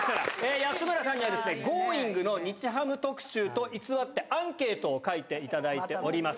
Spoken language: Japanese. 安村さんには、Ｇｏｉｎｇ！の日ハム特集と偽って、アンケートを書いていただいております。